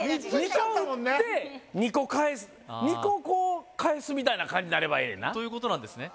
２個打って２個返す２個こう返すみたいな感じになればええなということなんですね